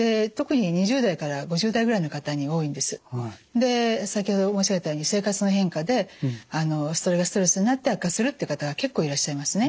で先ほど申し上げたように生活の変化でそれがストレスになって悪化するという方が結構いらっしゃいますね。